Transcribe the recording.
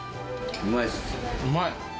うまい。